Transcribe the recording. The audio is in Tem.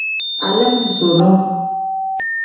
Aleemuuzuroo.